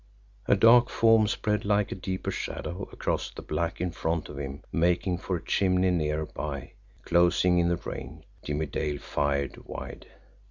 A dark form sped like a deeper shadow across the black in front of him, making for a chimney nearer by, closing in the range. Jimmie Dale fired wide.